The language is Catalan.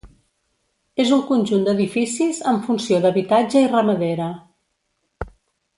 És un conjunt d'edificis amb funció d'habitatge i ramadera.